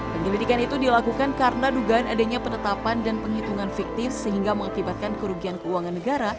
penyelidikan itu dilakukan karena dugaan adanya penetapan dan penghitungan fiktif sehingga mengakibatkan kerugian keuangan negara